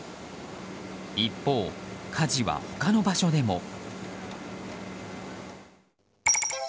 一方、火事は他の場所でも。